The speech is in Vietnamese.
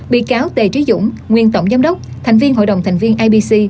bị cáo t trí dũng nguyên tổng giám đốc thành viên hội đồng thành viên ipc